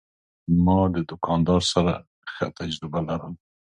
ما د دوکاندار سره ښه تجربه لرله.